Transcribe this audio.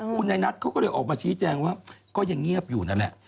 คุณนายนัทเขาก็เลยออกมาชี้แจงว่าก็ยังเงียบอยู่นั่นแหละ